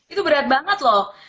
itu berat banget loh